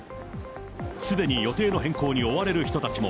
すでに予定の変更に追われる人たちも。